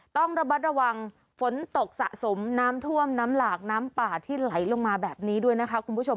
ต้องระมัดระวังฝนตกสะสมน้ำท่วมน้ำหลากน้ำป่าที่ไหลลงมาแบบนี้ด้วยนะคะคุณผู้ชม